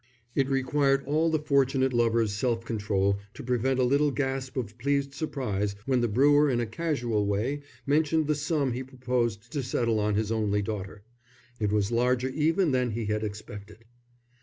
It required all the fortunate lover's self control to prevent a little gasp of pleased surprise when the brewer in a casual way mentioned the sum he proposed to settle on his only daughter. It was larger even than he had expected.